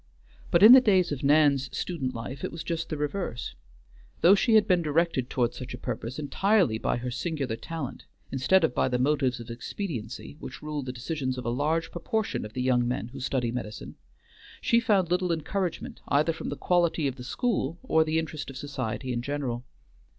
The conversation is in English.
But in the days of Nan's student life it was just the reverse. Though she had been directed toward such a purpose entirely by her singular talent, instead of by the motives of expediency which rule the decisions of a large proportion of the young men who study medicine, she found little encouragement either from the quality of the school or the interest of society in general.